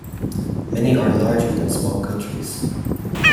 Many are larger than small countries.